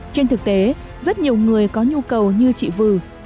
trên thực tế rất nhiều người có nhu cầu như chị vư